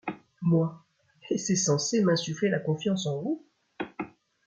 Moi : Et c’est censé m’insuffler la confiance en vous ?